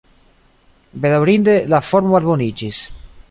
Bedaŭrinde, la formo malboniĝis.